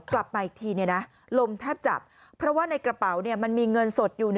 กลับมาอีกทีลมแทบจับเพราะว่าในกระเป๋ามันมีเงินสดอยู่